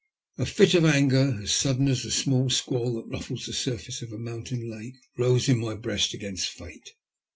A fit of anger, as sadden as the squall that ruffles the surface of a mountain lake, rose in my breast against Fate.